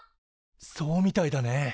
そうみたいだね！